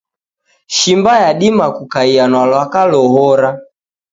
Shimba yadima kukaia na lwaka lohora.